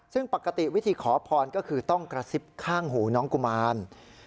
ซึ่งปกติวิธีขอพรก็คือต้องกระซิบข้างหูน้องกุมาร